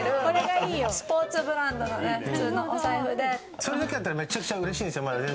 それだけだったらめちゃくちゃうれしいんですよ。